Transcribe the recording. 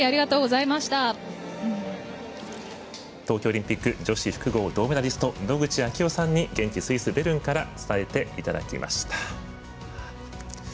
東京オリンピック女子複合銅メダリスト、野口啓代さんに現地スイス・ベルンから伝えていただきました。